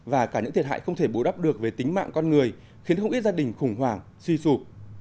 và cả những thiệt hại không thể bù đắp được về tính mạng con người khiến không ít gia đình khủng hoảng suy sụp